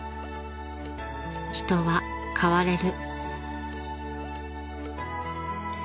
［人は変われる］